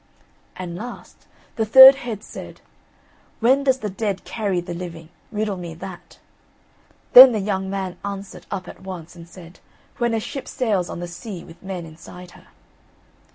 And last, the third head said: "When does the dead carry the living, riddle me that?" Then the young man answered up at once and said: "When a ship sails on the sea with men inside her."